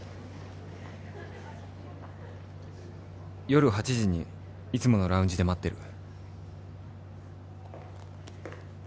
「夜８時にいつものラウンジで待ってる」